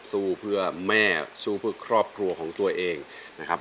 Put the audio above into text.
สู้เพื่อแม่สู้เพื่อครอบครัวของตัวเองนะครับ